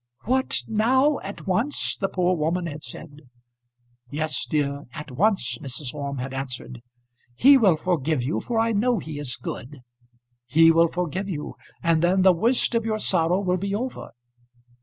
"What! now, at once?" the poor woman had said. "Yes, dear, at once," Mrs. Orme had answered. "He will forgive you, for I know he is good. He will forgive you, and then the worst of your sorrow will be over."